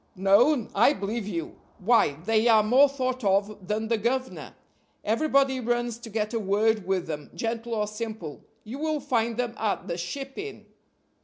"Known! I believe you; why, they are more thought of than the governor. Everybody runs to get a word with them, gentle or simple. You will find them at the 'Ship' inn."